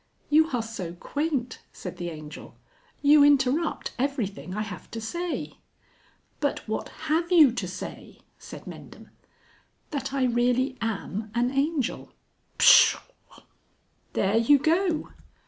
"You are so quaint," said the Angel; "you interrupt everything I have to say." "But what have you to say?" said Mendham. "That I really am an Angel...." "Pshaw!" "There you go!"